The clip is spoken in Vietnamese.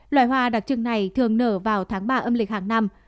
loài hoa đặc trưng này thường nở vào tháng ba âm lịch hàng năm